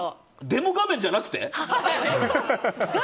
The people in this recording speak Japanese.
デモ画面じゃなくて？